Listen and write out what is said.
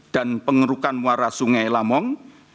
dan pengerukan muara sungai lamong